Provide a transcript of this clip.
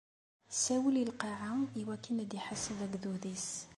Isawel i lqaɛa, iwakken ad iḥaseb agdud-is.